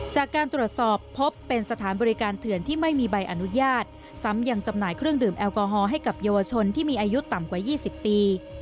จากการตรวจสอบพบเป็นสถานบริการเถื่อนที่ไม่มีใบอนุญาตซ้ำยังจำหน่ายเครื่องดื่มแอลกอฮอล์ให้กับเยาวชนที่มีอายุต่ำกว่า๒๐ปี